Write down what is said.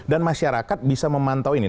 dan masyarakat bisa memantau ini